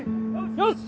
よし！